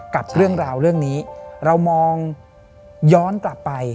กับเรื่องราวเรื่องนี้เรามองย้อนกลับไป